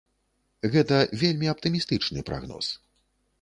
Гэта вельмі аптымістычны прагноз.